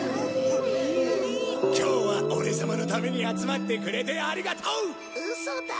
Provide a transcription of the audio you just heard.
今日はオレ様のために集まってくれてありがとう。